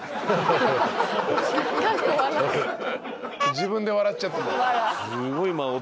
自分で笑っちゃって。